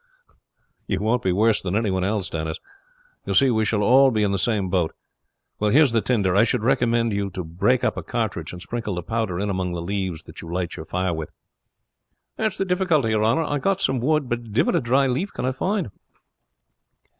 "You won't be worse than any one else, Denis; you see we shall all be in the same boat. Well, here's the tinder. I should recommend you to break up a cartridge, and sprinkle the powder in among the leaves that you light your fire with." "That's the difficulty, your honor; I have got some wood, but divil a dry leaf can I find."